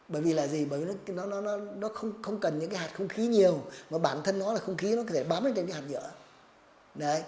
bởi vì là gì bởi vì nó không cần những hạt không khí nhiều mà bản thân nó là không khí nó có thể bám lên trên hạt nhựa